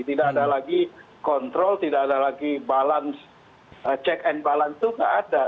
tidak ada lagi kontrol tidak ada lagi balance check and balance itu tidak ada